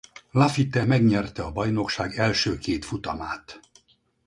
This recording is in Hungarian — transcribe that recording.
Laffite megnyerte a bajnokság első két futamát.